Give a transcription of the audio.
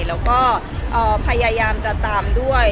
แล้วก็พยายามจะตามด้วย